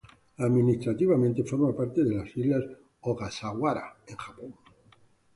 Administrativamente forma parte de las Islas Ogasawara en Japón.